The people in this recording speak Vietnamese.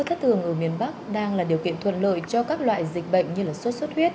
các thất thường ở miền bắc đang là điều kiện thuận lợi cho các loại dịch bệnh như là suốt suốt huyết